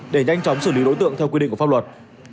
để nhanh chóng xử lý đối tượng theo quy định của pháp luật